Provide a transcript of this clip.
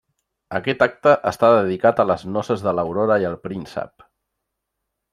Aquest acte està dedicat a les noces de l'Aurora i el Príncep.